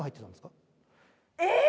えっ！？